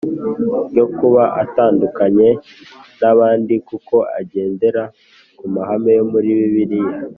Ryo kuba atandukanye n abandi kuko agendera ku mahame yo muri bibiliya